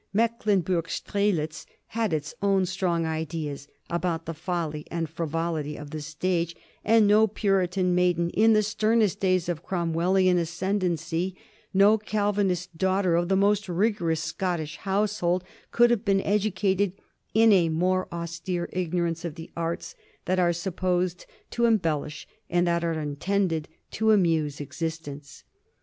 Mecklenburg Strelitz had its own strong ideas about the folly and frivolity of the stage, and no Puritan maiden in the sternest days of Cromwellian ascendency, no Calvinist daughter of the most rigorous Scottish household, could have been educated in a more austere ignorance of the arts that are supposed to embellish and that are intended to amuse existence.